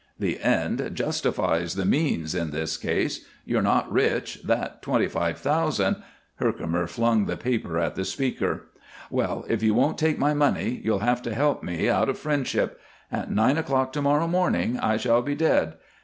"The end justifies the means in this case. You're not rich. That twenty five thousand " Herkimer flung the paper at the speaker. "Well, if you won't take my money, you'll have to help me, out of friendship. At nine o'clock to morrow morning I shall be dead.